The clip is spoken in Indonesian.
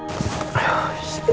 aduh siap pak